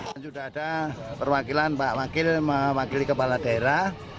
sudah ada perwakilan banyak wakil wakili kepala daerah